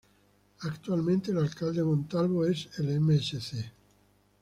Actualmente el Alcalde de Montalvo es el Msc.